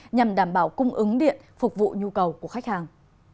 nhằm đảm bảo cung ứng điện phục vụ nhu cầu của khách hàng